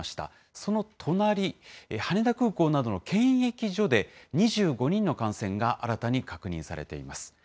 その隣、羽田空港などの検疫所で２５人の感染が新たに確認されています。